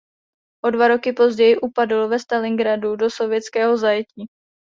O dva roky později upadl ve Stalingradu do sovětského zajetí.